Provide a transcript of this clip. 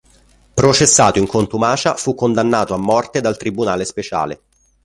Processato in contumacia, fu condannato a morte dal Tribunale speciale.